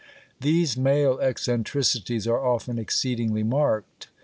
These male eccentricities are often exceedingly marked.